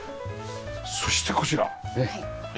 そしてこちら。